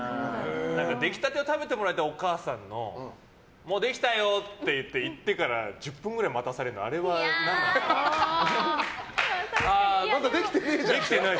出来立てを食べてもらいたいお母さんのもうできたよって言ってから１０分ぐらい待たされるのまだできてねえじゃんって。